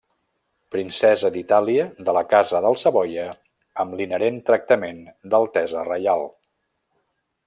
Princesa d'Itàlia de la Casa dels Savoia amb l'inherent tractament d'altesa reial.